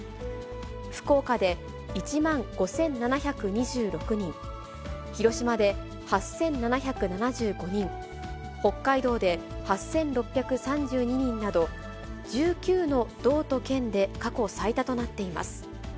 福岡で１万５７２６人、広島で８７７５人、北海道で８６３２人など、１９の道と県で過去最多となっています。